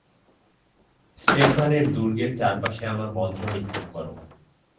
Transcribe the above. স্টেফানের দূর্গের চারপাশে আমার মন্ত্র নিক্ষেপ করো।